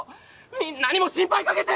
みんなにも心配かけて！